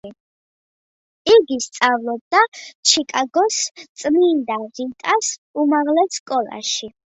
იგი სწავლობდა ჩიკაგოს წმინდა რიტას უმაღლეს სკოლაში.